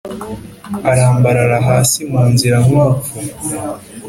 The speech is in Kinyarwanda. arambarara hasi mu nzira nkumupfu